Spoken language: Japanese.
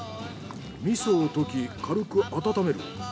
味噌をとき軽く温める。